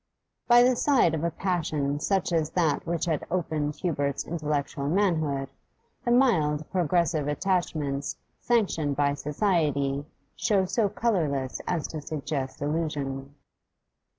By the side of a passion such as that which had opened Hubert's intellectual manhood, the mild, progressive attachments sanctioned by society show so colourless as to suggest illusion.